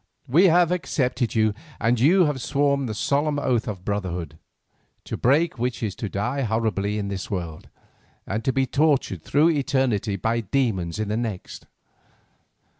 We have accepted you, and you have sworn the solemn oath of brotherhood, to break which is to die horribly in this world, and to be tortured through eternity by demons in the next.